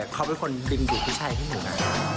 เขาเป็นคนดินอยู่ผู้ชายของมูนะ